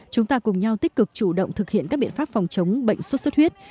chúng ta cùng nhau tích cực chủ động thực hiện các biện pháp phòng chống bệnh suốt suốt huyết